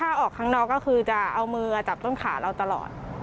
ถ้าออกข้างนอกก็คือจะเอามือจับต้นขาเราตลอด